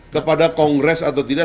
kepada kongres atau tidak